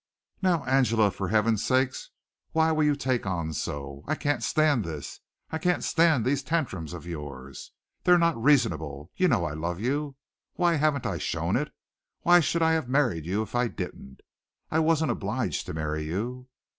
"Now, Angela, for Heaven's sake, why will you take on so? I can't stand this. I can't stand these tantrums of yours. They're not reasonable. You know I love you. Why, haven't I shown it? Why should I have married you if I didn't? I wasn't obliged to marry you!"